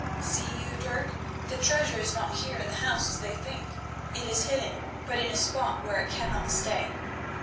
"See you, Dirk, the treasure is not here in the house as they think. It is hidden, but in a spot where it cannot stay.